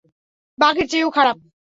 বাঘের চেয়েও খারাপ!